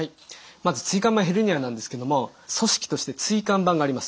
まず椎間板ヘルニアなんですけども組織として椎間板があります。